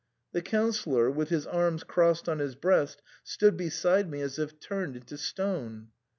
The Councillor, with his arms crossed on his breast, stood beside me, as if turned into stone.